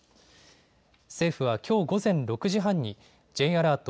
政府はきょう午前６時半にＪアラート